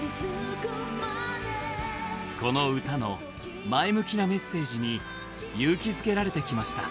この歌の前向きなメッセージに勇気づけられてきました。